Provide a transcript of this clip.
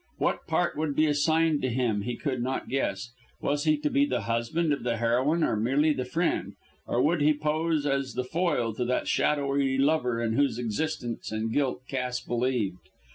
What part would be assigned to him he could not guess. Was he to be the husband of the heroine or merely the friend, or would he pose as the foil to that shadowy lover in whose existence and guilt Cass believed?